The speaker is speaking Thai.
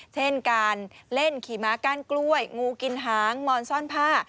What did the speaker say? เช่นการเล่นขี่ม้าก้านกล้วยงูกินหางมอนซ่อนผ้า